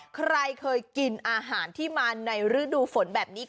ใครเคยกินอาหารที่มาในฤดูฝนแบบนี้